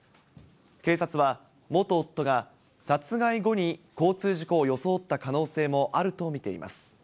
警察は、元夫が、殺害後に交通事故を装った可能性もあると見ています。